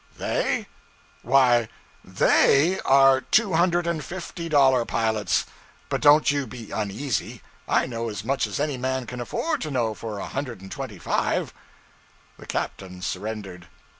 'They! Why, _they _are two hundred and fifty dollar pilots! But don't you be uneasy; I know as much as any man can afford to know for a hundred and twenty five!' The captain surrendered.